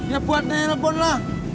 ya buatnya handphone lah